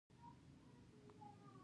او اوس هم په مدینه کې دي.